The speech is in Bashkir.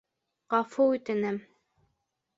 Ғәфү үтенәм!